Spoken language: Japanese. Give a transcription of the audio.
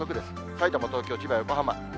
さいたま、東京、千葉、横浜。